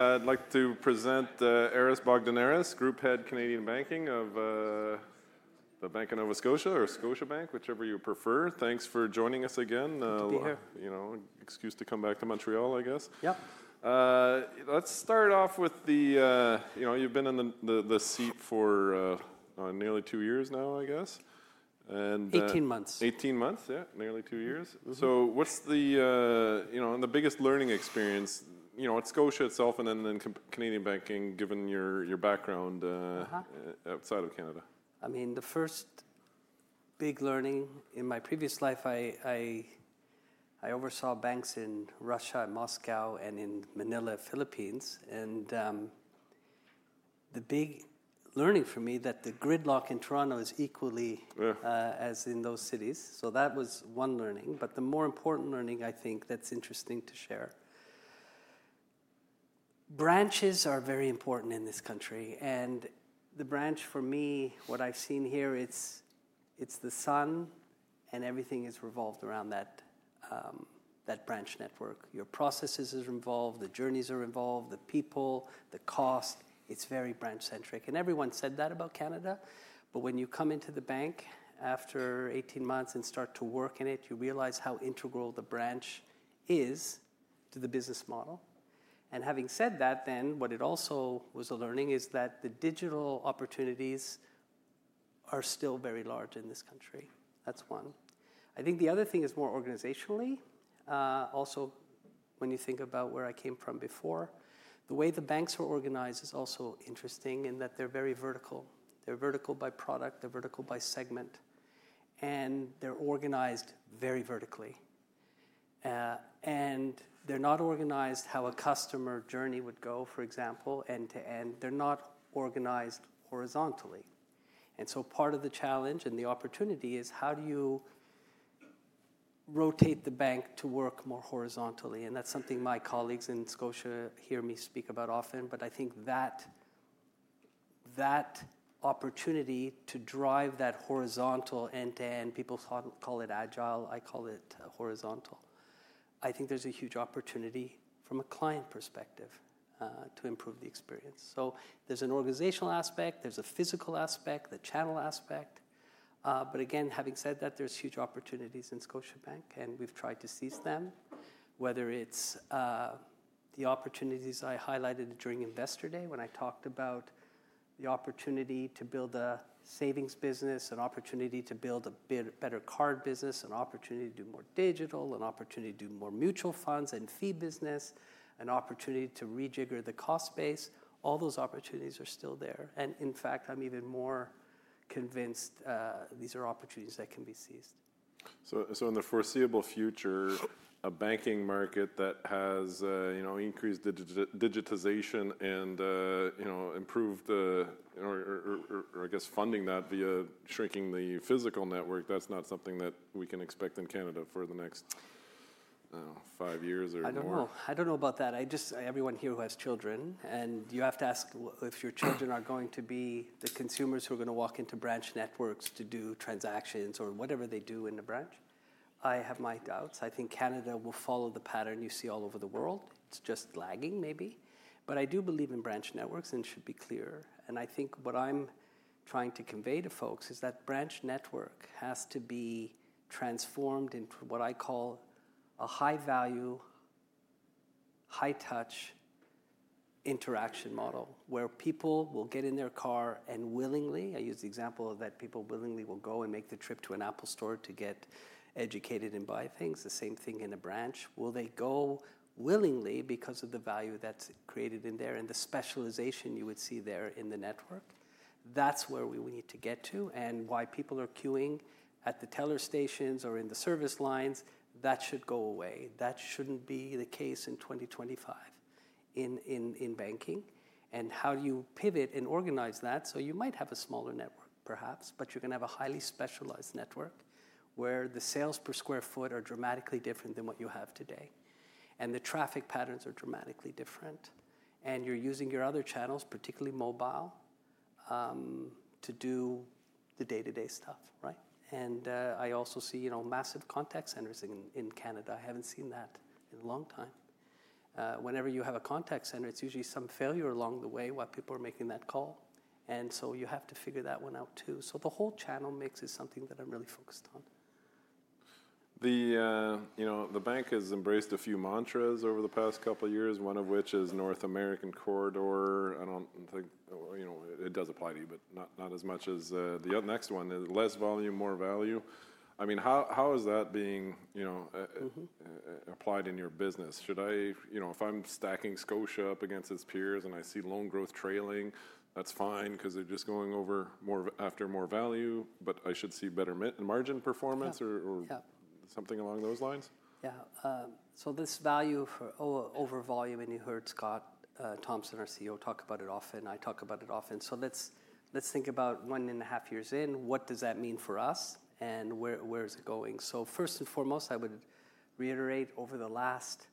I'd like to present Aris Bogdaneris, Group Head, Canadian Banking of the Bank of Nova Scotia or Scotiabank, whichever you prefer. Thanks for joining us again. You know, excuse to come back to Montreal, I guess. Yep. Let's start off with the, you know, you've been in the seat for nearly two years now, I guess. 18 months. Eighteen months, yeah, nearly two years. What's the, you know, the biggest learning experience, you know, at Scotia itself and then Canadian banking, given your background outside of Canada? I mean, the first big learning in my previous life I oversaw banks in Russia, Moscow and in Manila, Philippines. The big learning for me that the gridlock in Toronto is equally as in those cities. That was one learning. The more important learning, I think that's interesting to share. Branches are very important in this country. The branch for me, what I've seen here, it's the sun and everything is revolved around that branch network. Your processes are involved, the journeys are involved, the people, the cost. It's very branch centric. Everyone said that about Canada. When you come into the bank after 18 months and start to work in it, you realize how integral the branch is to the business model. Having said that, what it also was a learning is that the digital opportunities are still very large in this country. That is one, I think. The other thing is more organizationally also, when you think about where I came from before, the way the banks are organized is also interesting in that they are very vertical. They are vertical by product, they are vertical by segment, and they are organized very vertically. They are not organized how a customer journey would go, for example, end to end, they are not organized horizontally. Part of the challenge and the opportunity is how do you rotate the bank to work more horizontally. That is something my colleagues in Scotia hear me speak about often. I think that opportunity to drive that horizontal end to end, people call it agile, I call it horizontal. I think there's a huge opportunity from a client perspective to improve the experience. There is an organizational aspect, there is a physical aspect, the channel aspect. Having said that, there are huge opportunities in Scotiabank and we've tried to seize them. Whether it's the opportunities I highlighted during investor day when I talked about the opportunity to build a savings business, an opportunity to build a better card business, an opportunity to do more digital, an opportunity to do more mutual funds and fee business, an opportunity to rejigger the cost base, all those opportunities are still there. In fact, I'm even more convinced these are opportunities that can be seized. In the foreseeable future, a banking market that has increased digitization and improve the, or I guess funding that via shrinking the physical network, that's not something that we can expect in Canada for the next five years or more. I don't know. I don't know about that. Everyone here who has children and you have to ask if your children are going to be the consumers who are going to walk into branch networks to do transactions or whatever they do in the branch, I have my doubts. I think Canada will follow the pattern you see all over the world. It's just lagging maybe. I do believe in branch networks and should be clear. I think what I'm trying to convey to folks is that branch network has to be transformed into what I call a high value, high touch interaction model where people will get in their car and willingly. I use the example that people willingly will go and make the trip to an Apple Store to get educated and buy things, the same, same thing in a branch. Will they go willingly because of the value that's created in there and the specialization you would see there in the network? That's where we need to get to and why people are queuing at the teller stations or in the service lines. That should go away. That shouldn't be the case in 2025 in banking. How do you pivot and organize that? You might have a smaller network perhaps, but you're going to have a highly specialized network where the sales per square feet are dramatically different than what you have today and the traffic patterns are dramatically different and you're using your other channels, particularly mobile, to do the day to day stuff. Right. I also see, you know, massive contact centers in Canada. I haven't seen that in a long time. Whenever you have a contact center, it's usually some failure along the way while people are making that call. You have to figure that one out too. The whole channel mix is something that I'm really focused on. The bank has embraced a few mantras over the past couple years, one of which is North American Corridor. I do not think it does apply to you, but not as much as the next one. Less volume, more value. I mean, how is that being applied in your business? If I am stacking Scotia up against its peers and I see loan growth trailing, that is fine because they are just going over after more value. I should see better margin performance or something along those lines, Yeah. This value for over volume, and you heard Scott Thomson, our CEO, talk about it often. I talk about it often. Let's think about one and a half years in, what does that mean for us and where is it going? First and foremost, I would reiterate over the last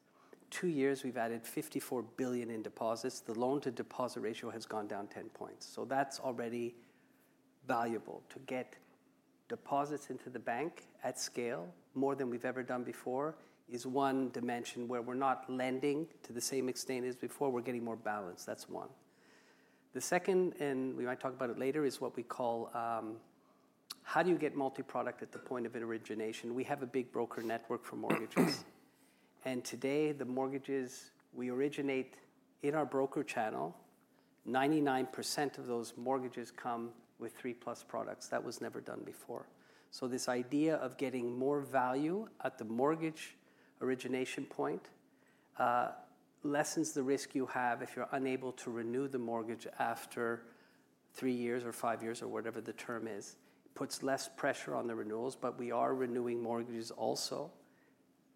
two years we've added $54 billion in deposits. The loan to deposit ratio has gone down 10 points. That's already valuable. To get deposits into the bank at scale, more than we've ever done before, is one dimension where we're not lending to the same extent as before. We're getting more balance. That's one. The second, and we might talk about it later, is what we call how do you get multi-product at the point of origination. We have a big broker network for mortgages, and today the mortgages we originate in our broker channel. 99% of those mortgages come with three plus products. That was never done before. This idea of getting more value at the mortgage origination point lessens the risk you have if you're unable to renew the mortgage after three years or five years or whatever the term is, puts less pressure on the renewals. We are renewing mortgages also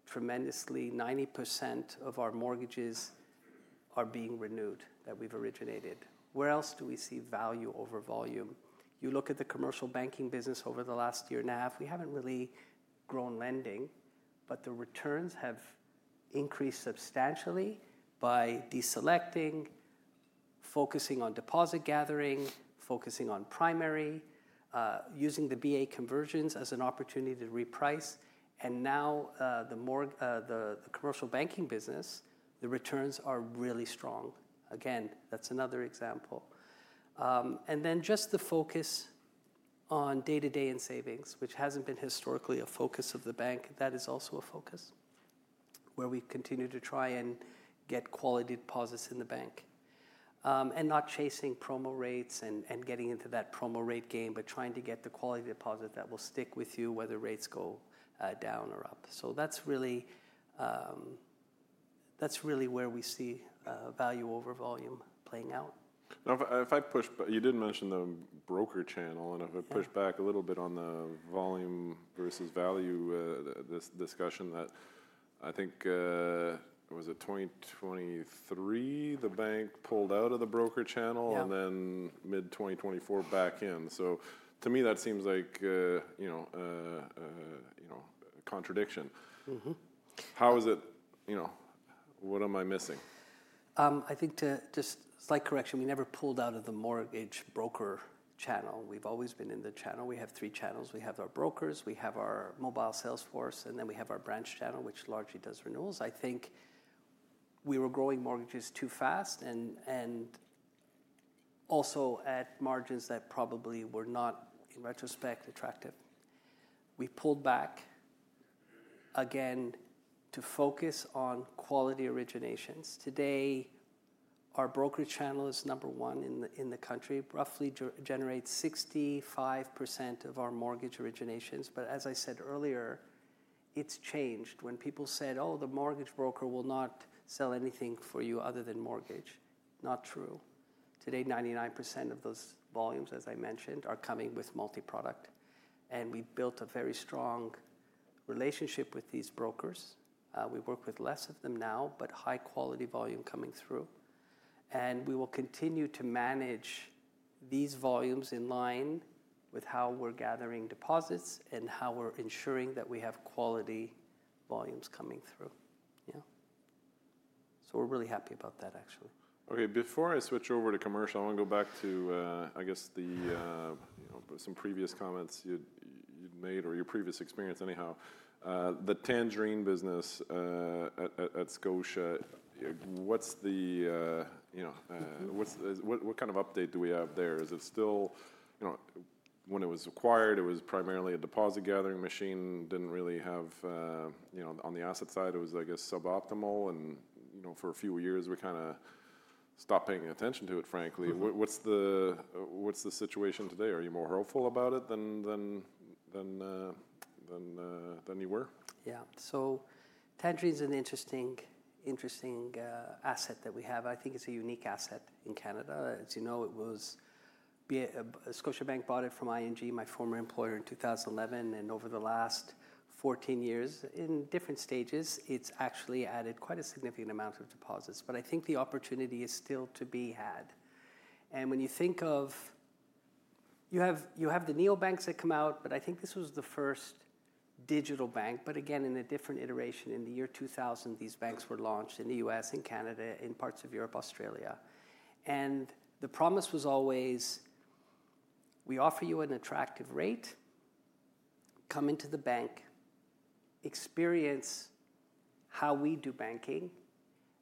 tremendously. 90% of our mortgages are being renewed that we've originated. Where else do we see value over volume? You look at the commercial banking business. Over the last year and a half we haven't really grown lending, but the returns have increased substantially by deselecting, focusing on deposit gathering, focusing on primary, using the BA conversions as an opportunity to reprice, and now the commercial banking business, the returns are really strong. Again, that's another example. The focus on day to day and savings, which has not been historically a focus of the bank, that is also a focus where we continue to try and get quality deposits in the bank and not chasing promo rates and getting into that promo rate game but trying to get the quality deposit that will stay, stick with you whether rates go down or up. That is really where we see value over volume playing out. If I push, you did mention the broker channel and if I push back a little bit on the volume versus value discussion that I think was it 2023 the bank pulled out of the broker channel and then mid 2024 back in. To me that seems like, you know, contradiction. How is it, you know, what am I missing? I think to just slight correction. We never pulled out of the mortgage broker channel. We've always been in the channel. We have three channels. We have our brokers, we have our mobile salesforce, and then we have our branch channel, which largely does renewals. I think we were growing mortgages too fast and also at margins that probably were not, in retrospect, attractive. We pulled back again to focus on quality originations. Today our brokerage channel is number one in the country. Roughly generates 65% of our mortgage originations. As I said earlier, it's changed when people said, oh, the mortgage broker will not sell anything for you other than mortgage. Not true. Today, 99% of those volumes, as I mentioned, are coming with multi-product, and we built a very strong relationship with these brokers. We work with less of them now, but high quality volume coming through, and we will continue to manage these volumes in line with how we're gathering deposits and how we're ensuring that we have quality volumes coming through. Yeah, so we're really happy about that actually. Okay, before I switch over to commercial, I want to go back to I guess the, some previous comments you'd made or your previous experience. Anyhow, the Tangerine business at Scotia. What's the, you know, what kind of update do we have there? Is it still, you know, when it was acquired it was primarily a deposit gathering machine. Didn't really have, you know, on the asset side it was I guess suboptimal and you know, for a few years we kind of stopped paying attention to it, frankly. What's the, what's the situation today? Are you more hopeful about it than you were? Yeah. Tangerine is an interesting, interesting asset that we have. I think it's a unique asset in Canada, as you know, Scotiabank bought it from ING, my former employer, in 2011. Over the last 14 years, in different stages, it's actually added quite a significant amount of deposits. I think the opportunity is still to be had. When you think of you have the neobanks that come out, I think this was the first digital bank, again in a different iteration. In the year 2000, these banks were launched in the U.S., in Canada, in parts of Europe, Australia. The promise was always we offer you an attractive rate, come into the bank, experience how we do banking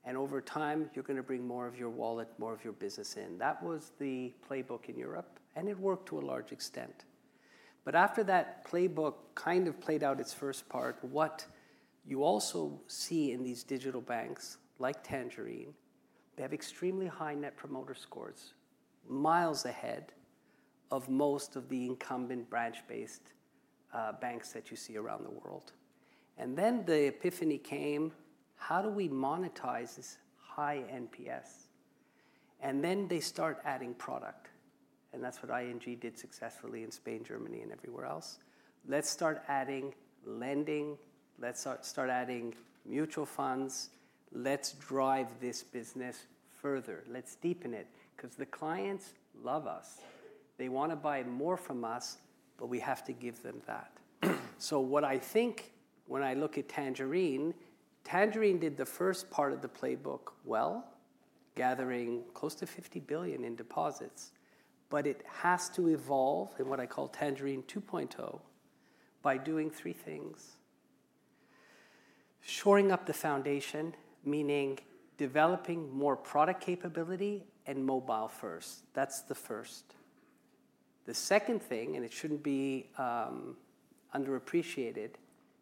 and over time you're going to bring more of your wallet, more of your business in. That was the playbook in Europe and it worked to a large extent. After that, playbook kind of played out its first part. What you also see in these digital banks like Tangerine, they have extremely high Net Promoter Scores, miles ahead of most of the incumbent branch based banks that you see around the world. The epiphany came. How do we monetize this high NPS? They start adding product. That is what ING did successfully in Spain, Germany and everywhere else. Let's start adding lending, let's start adding mutual funds. Let's drive this business further, let's deepen it because the clients love us, they want to buy more from us, but we have to give them that. What I think when I look at Tangerine, Tangerine did the first part of the playbook well, gathering close to $50 billion in deposits. It has to evolve in what I call Tangerine 2.0 by doing three things. Shoring up the foundation, meaning developing more product capability and mobile. First, that's the first. The second thing, and it shouldn't be underappreciated,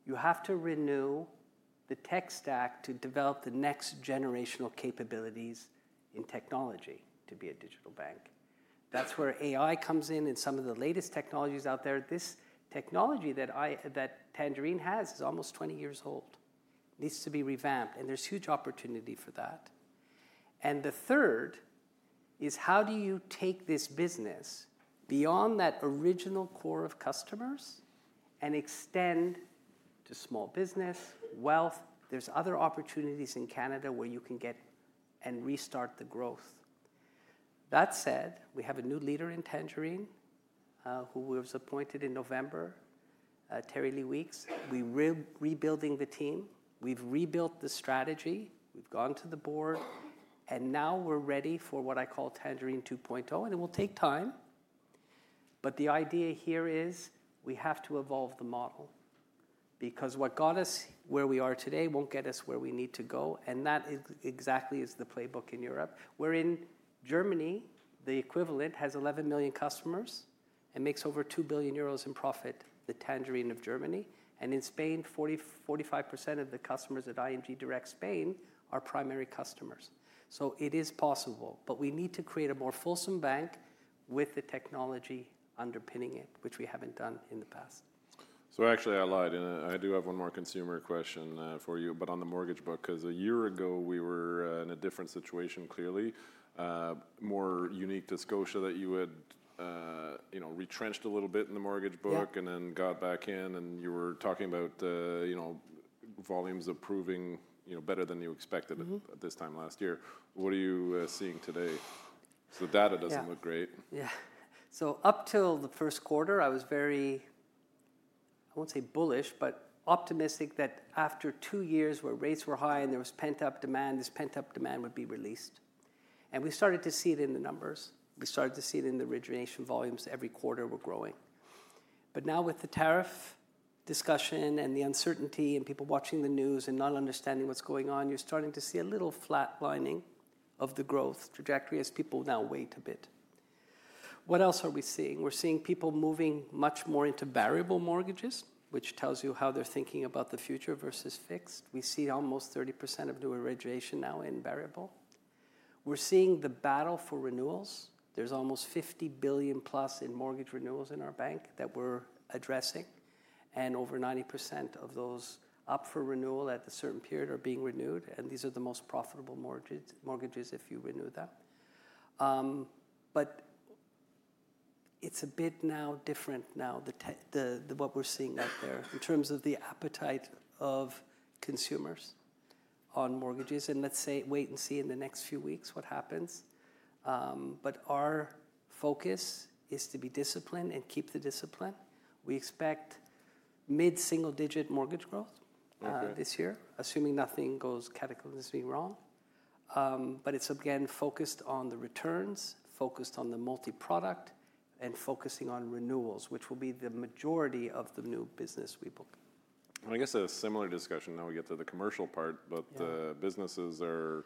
you have to renew the tech stack to develop the next generational capabilities in technology to be a digital bank. That's where AI comes in and some of the latest technologies out there. This technology that Tangerine has is almost 20 years old, needs to be revamped and there's huge opportunity for that. The third is how do you take this business beyond that original core of customers and extend to small business wealth. There are other opportunities in Canada where you can get and restart the growth. That said, we have a new leader in Tangerine who was appointed in November. Terry-Lee Weeks, we are rebuilding the team, we've rebuilt the strategy, we've gone to the board and now we're ready for what I call Tangerine 2.0. It will take time. The idea here is we have to evolve the model because what got us where we are today won't get us where we need to go. That exactly is the playbook. In Europe, Germany, the equivalent has 11 million customers and makes over 2 billion euros in profit. The Tangerine of Germany. In Spain, 45% of the customers at ING Direct Spain are primary customers. It is possible, but we need to create a more fulsome bank with the technology underpinning it, which we haven't done in the past. Actually, I lied and I do have one more consumer question for you, but on the mortgage book, because a year ago we were in a different situation, clearly more unique to Scotia that you had retrenched a little bit in the mortgage book and then got back in and you were talking about volumes approving better than you expected at this time last year. What are you seeing today? The data does not look great. Up till the first quarter. I was very, I will not say bullish, but optimistic that after two years where rates were high and there was pent up demand, this pent up demand would be released. We started to see it in the numbers, we started to see it in the origination volumes. Every quarter we are growing. Now with the tariff discussion and the uncertainty and people watching the news and not understanding what is going on, you are starting to see a little flatlining of the growth trajectory as people now wait a bit. What else are we seeing? We are seeing people moving much more into variable mortgages, which tells you how they are thinking about the future versus fixed. We see almost 30% of new origination now in variable. We are seeing the battle for renewals. There's almost $50 billion-plus in mortgage renewals in our bank that we're addressing and over 90% of those up for renewal at a certain period are being renewed. These are the most profitable mortgages if you renew them. It is a bit different now what we're seeing out there in terms of the appetite of consumers on mortgages and let's say wait and see in the next few weeks what happens. Our focus is to be disciplined and keep the discipline. We expect mid single digit mortgage growth this year assuming nothing goes cataclysmic wrong. It is again focused on the returns, focused on the multi product and focusing on renewals which will be the majority of the new business. I guess a similar discussion. Now we get to the commercial part, but businesses are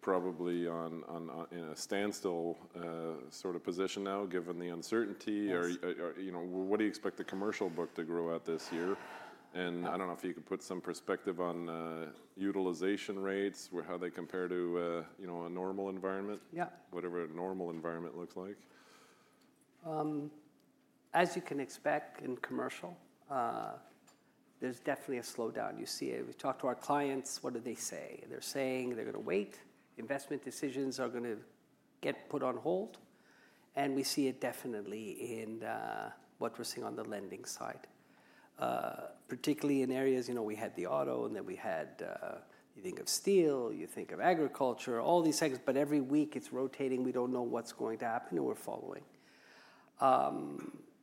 probably in a standstill sort of position now given the uncertainty. What do you expect the commercial book to grow at this year? I don't know if you could put some perspective on utilization rates, how they compare to a normal environment, whatever a normal environment looks like. As you can expect in commercial, there's definitely a slowdown. You see it, we talk to our clients, what do they say? They're saying they're going to wait, investment decisions are going to get put on hold. We see it definitely in what we're seeing on the lending side, particularly in areas we had the auto and then we had. You think of steel, you think of agriculture, all these things. Every week it's rotating. We don't know what's going to happen or fall.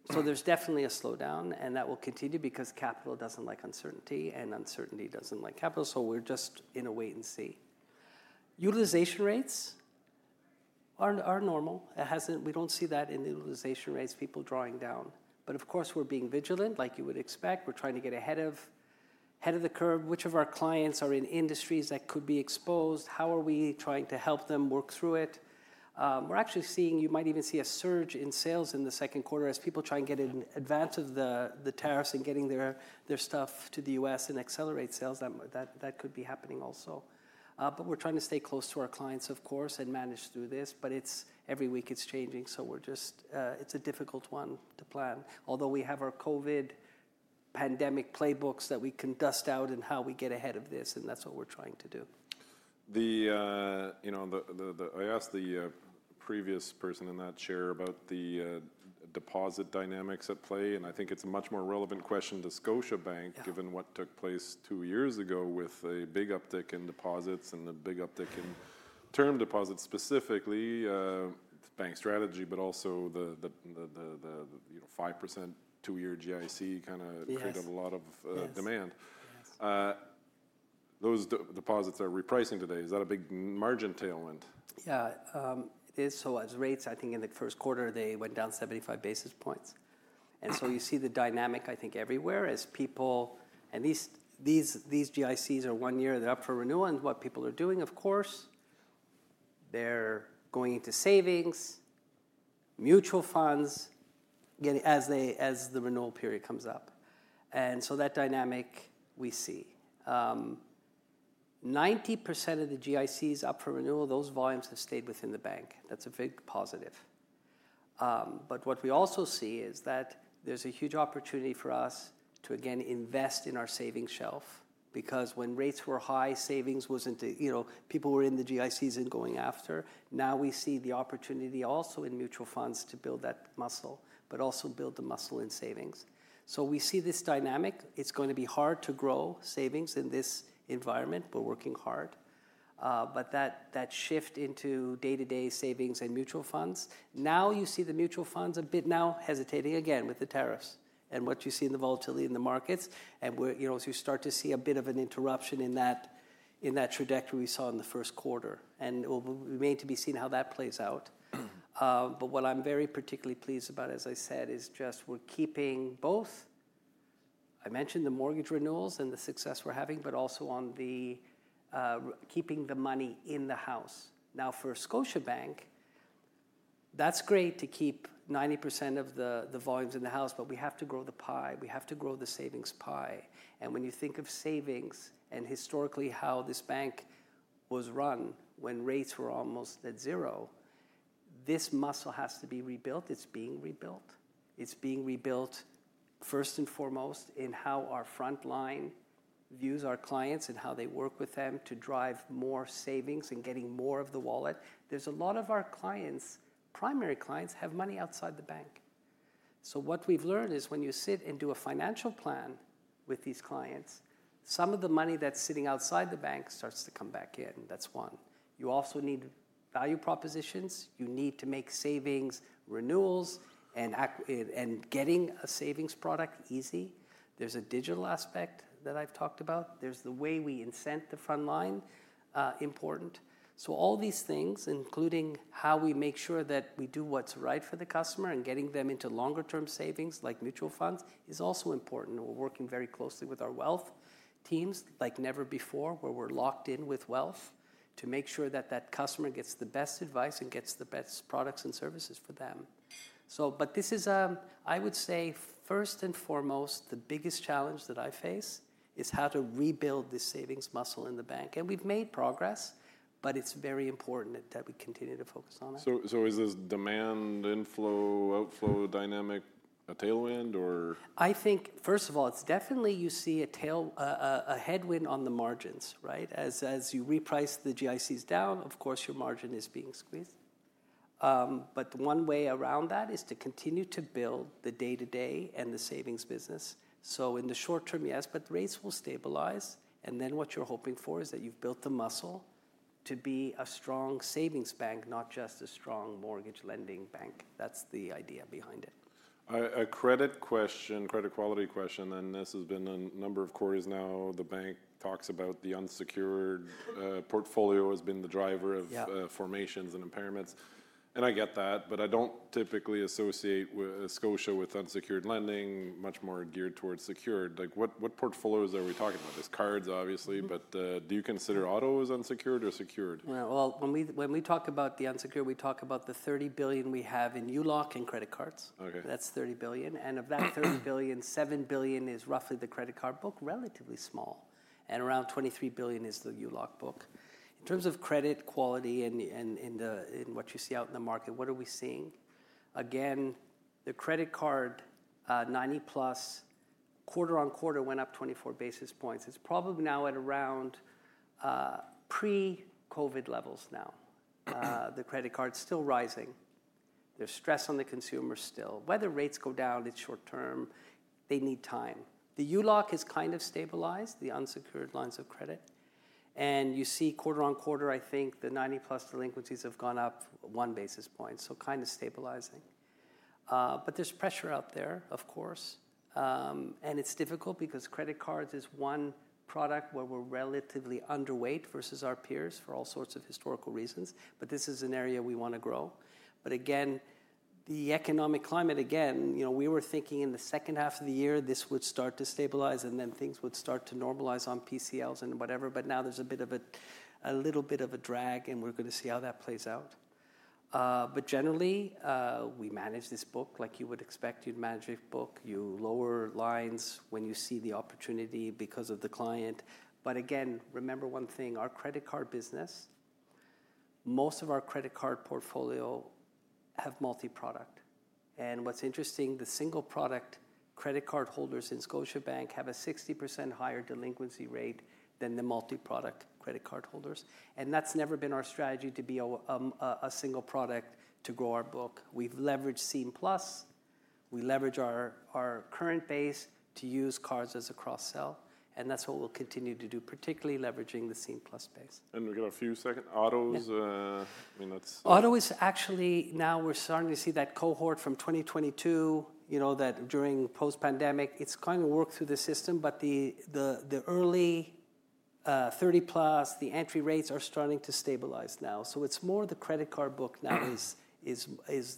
There's definitely a slowdown and that will continue because capital doesn't like uncertainty and uncertainty doesn't like capital. We're just in a wait and see. Utilization rates are normal. We don't see that in utilization rates, people drawing down. Of course we're being vigilant like you would expect. We're trying to get ahead of the curve. Which of our clients are in industries that could be exposed? How are we trying to help them work through it? We're actually seeing, you might even see a surge in sales in the second quarter as people try and get in advance of the tariffs and getting their stuff to the U.S. and accelerate sales. That could be happening also. We are trying to stay close to our clients, of course, and manage through this. Every week it is changing. It is a difficult one to plan. Although we have our COVID pandemic playbooks that we can dust out and how we get ahead of this and that is what we are trying to do. Do the. You know, I asked the previous person in that chair about the deposit dynamics at play and I think it's a much more relevant question to Scotiabank given what took place two years ago with a big uptick in deposits and the big uptick in term deposits, specifically bank strategy. Also the 5% 2 year GIC kind of created a lot of demand. Those deposits are repricing today. Is that a big margin tailwind? Yeah, it is. As rates, I think in the first quarter they went down 75 basis points. You see the dynamic, I think, everywhere as people and these GICs are one year, they are up for renewal. What people are doing, of course, they are going into savings, mutual funds as the renewal period comes up. That dynamic, we see 90% of the GICs up for renewal. Those volumes have stayed within the bank. That is a big positive. What we also see is that there is a huge opportunity for us to again invest in our savings shelf because when rates were high, savings was not, you know, people were in the GIC season going after. Now we see the opportunity also in mutual funds to build that muscle, but also build the muscle in savings. We see this dynamic. It's going to be hard to grow savings in this environment. We're working hard. That shift into day to day savings and mutual funds. Now you see the mutual funds a bit now hesitating again with the tariffs and what you see in the volatility in the markets and, you know, as you start to see a bit of an interruption in that, in that trajectory we saw in the first quarter, it remains to be seen how that plays out. What I'm very particularly pleased about, as I said, is just we're keeping both, I mentioned the mortgage renewals and the success we're having, but also on the keeping the money in the house. Now for Scotiabank, that's great to keep 90% of the volumes in the house, but we have to grow the pie, we have to grow the savings piece. When you think of savings and historically how this bank was run when rates were almost at zero, this muscle has to be rebuilt. It's being rebuilt, it's being rebuilt first and foremost in how our frontline views our clients and how they work with them to drive more savings and getting more of the wallet. There's a lot of our clients, primary clients have money outside the bank. What we've learned is when you sit and do a financial plan with these clients, some of the money that's sitting outside the bank starts to come back in. That's one. You also need value propositions. You need to make savings renewals and getting a savings product easy. There's a digital aspect that I've talked about. There's the way we incent the front line, important. All these things, including how we make sure that we do what is right for the customer and getting them into longer term savings like mutual funds, is also important. We are working very closely with our wealth teams like never before, where we are locked in with wealth to make sure that that customer gets the best advice and gets the best products and services for them. This is, I would say, first and foremost, the biggest challenge that I face is how to rebuild the savings muscle in the bank. We have made progress, but it is very important that we continue to focus on it. Is this demand inflow, outflow dynamic a tailwind or? I think first of all it's definitely you see a tail, a headwind on the margins, right? As you reprice the GICs down, of course your margin is being squeezed, but the one way around that is to continue to build the day to day and the savings business. In the short term, yes, but rates will stabilize and then what you're hoping for is that you've built the muscle to be a strong savings bank. Not just strong mortgage lending bank. That's the idea behind it. A credit question, credit quality question. This has been a number of quarters. Now the bank talks about the unsecured portfolio has been the driver of formations and impairments and I get that. I do not typically associate Scotia with unsecured lending. Much more geared towards secured like what portfolios are we talking about? There is cards obviously, but do you consider auto as unsecured or secure? When we talk about the unsecured, we talk about the $30 billion we have in ULOC and credit cards. That's $30 billion. Of that $30 billion, $7 billion is roughly the credit card book, relatively small, and around $23 billion is the ULOC book. In terms of credit quality and what you see out in the market, what are we seeing again? The credit card 90+ quarter on quarter went up 24 basis points. It's probably now at around pre-Covid levels. The credit card's still rising. There's stress on the consumer still. Whether rates go down, it's short term, they need time. The ULOC has kind of stabilized, the unsecured lines of credit, and you see quarter on quarter, I think the 90+ delinquencies have gone up one basis point, so kind of stabilizing. There is pressure out there of course and it's difficult because credit cards is one product where we're relatively underweight versus our peers for all sorts of historical reasons. This is an area we want to grow. Again, the economic climate, you know, we were thinking in the second half of the year this would start to stabilize and then things would start to normalize on PCLs and whatever. Now there's a bit of a little bit of a drag and we're going to see how that plays out. Generally we manage this book like you would expect. You'd manage a book, you lower lines when you see the opportunity because of the client. Again, remember one thing, our credit card business, most of our credit card portfolio have multi product. What's interesting, the single product credit card holders in Scotiabank have a 60% higher delinquency rate than the multi product credit card holders. That's never been our strategy to be a single product. To grow our book we've leveraged Scene+, we leverage our current base to use cards as a cross sell. That's what we'll continue to do, particularly leveraging the Scene+ space. We have a few seconds. Auto is actually now we're starting to see that cohort from 2022 during post pandemic. It's kind of worked through the system but the early 30 plus the entry rates are starting to stabilize now. It is more the credit card book now is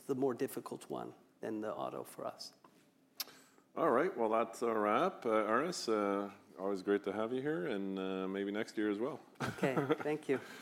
the more difficult one than the auto for us. All right, that's a wrap Aris. Always great to have you here. Maybe next year as well. Okay, thank you.